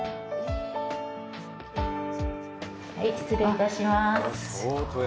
はい、失礼いたします。